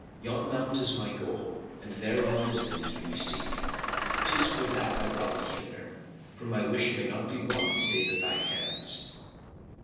Yon mount is my goal and thereon is the need we seek. 'Tis for that I brought thee hither, for my wish may not be won save at thy hands."